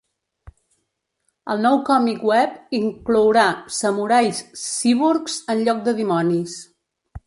El nou còmic web inclourà samurais cíborgs en lloc de dimonis.